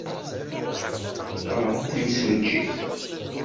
Teɣra d timsujjit.